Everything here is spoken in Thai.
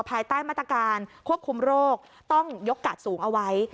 ภายใต้มาตรการควบคุมโรคต้องยกกาดสูงเอาไว้